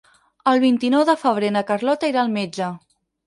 El vint-i-nou de febrer na Carlota irà al metge.